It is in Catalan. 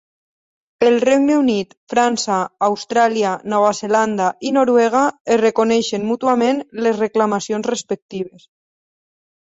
El Regne Unit, França, Austràlia, Nova Zelanda i Noruega es reconeixen mútuament les reclamacions respectives.